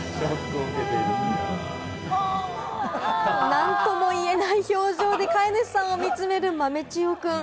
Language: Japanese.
何とも言えない表情で飼い主さんを見詰める豆千代くん。